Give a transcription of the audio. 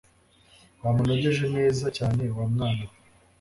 wamunogereje neza cyane wa mwana we